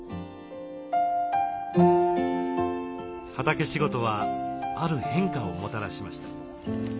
畑仕事はある変化をもたらしました。